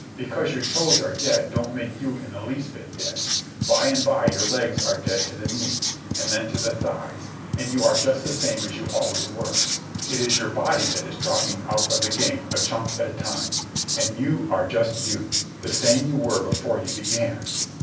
Because your toes are dead don't make you in the least bit dead. By and by your legs are dead to the knees, and then to the thighs, and you are just the same as you always were. It is your body that is dropping out of the game a chunk at a time. And you are just you, the same you were before you began."